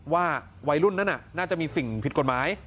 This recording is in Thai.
ว่าวัยรุ่นนั้นน่าจะมีสิ่งผิดกฎหมาย